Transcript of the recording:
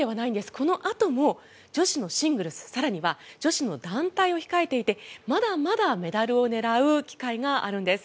このあとも女子シングルス更には女子団体を控えていてまだまだメダルを狙う機会があるんです。